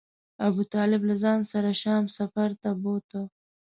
ابو طالب له ځان سره شام سفر ته بوته.